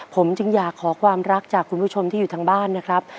ผมจึงอยากขอความรักจากคุณผู้ชมที่อยู่ทางบ้านนะครับ